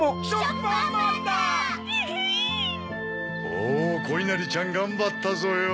おぉこいなりちゃんがんばったぞよ。